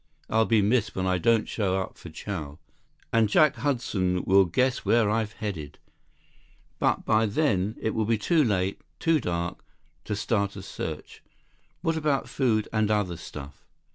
I'll be missed when I don't show up for chow. And Jack Hudson will guess where I've headed. But by then, it will be too late, too dark, to start a search. What about food, and other stuff?"